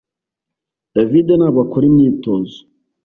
David ntabwo akora imyitozo